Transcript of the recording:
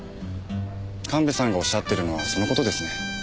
神戸さんがおっしゃってるのはその事ですね。